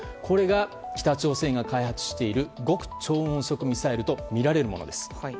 これが北朝鮮が開発している極超音速ミサイルとみられるものです。